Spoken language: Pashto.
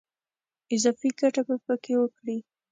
اضافي ګټه په کې وکړي.